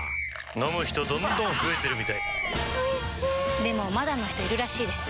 飲む人どんどん増えてるみたいおいしでもまだの人いるらしいですよ